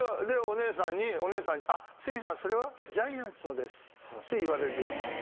でお姉さんに「角さんそれはジャイアンツのです」って言われるようになった。